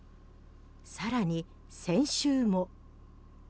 更に先週も。